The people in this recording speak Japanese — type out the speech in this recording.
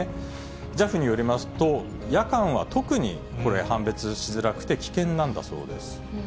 ＪＡＦによりますと、夜間は特にこれ、判別しづらくて、危険なんだそうです。